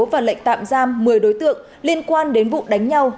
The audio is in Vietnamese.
và lệnh tạm giam một mươi đối tượng liên quan đến vụ đánh nhau